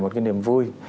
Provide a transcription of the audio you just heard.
một cái niềm vui